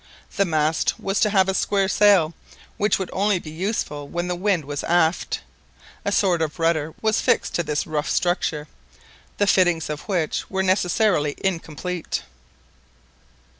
This mast was to have a square sail, which would only be useful when the wind was aft. A sort of rudder was fixed to this rough structure, the fittings of which were necessarily incomplete.